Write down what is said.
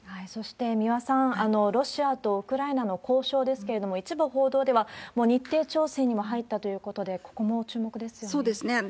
そして三輪さん、ロシアとウクライナの交渉ですけれども、一部報道では、もう日程調整にも入ったということで、そうですね。